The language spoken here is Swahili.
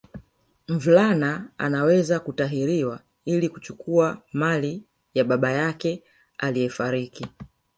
Mvulana Anaweza kutahiriwa ili kuchukua mali ya baba yake aliyefariki